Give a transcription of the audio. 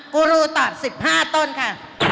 กูรูตอบสิบห้าต้นค่ะ